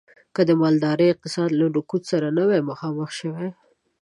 که د مالدارۍ اقتصاد له رکود سره نه وی مخامخ شوی.